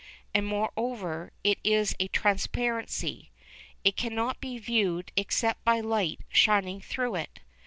And, moreover, it is a transparency: it cannot be viewed except by light shining through it.